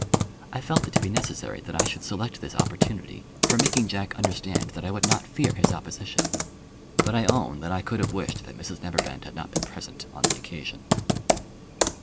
I felt it to be necessary that I should select this opportunity for making Jack understand that I would not fear his opposition; but I own that I could have wished that Mrs Neverbend had not been present on the occasion.